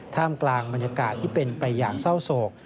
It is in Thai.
ท่ามกลางบรรยากาศที่เป็นไปอย่างเศร้าโศก